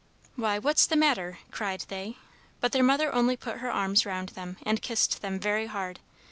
"Why, what's the matter?" cried they. But their Mother only put her arms round them and kissed them very hard.